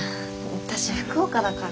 私福岡だから。